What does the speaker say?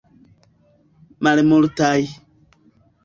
Malmultaj.